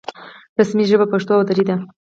رسمي ژبې پښتو او دري دي